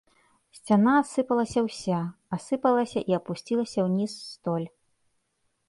Сцяна асыпалася ўся, асыпалася і апусцілася ўніз столь.